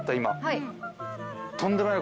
はい。